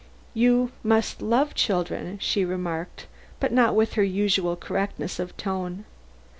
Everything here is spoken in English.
"You must love children," she remarked, but not with her usual correctness of tone.